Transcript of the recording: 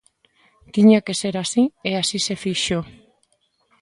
Tiña que ser así, e así se fixo.